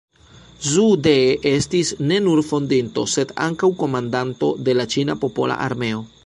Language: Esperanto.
Zhu De estis ne nur fondinto, sed ankaŭ komandanto de la ĉina popola armeo.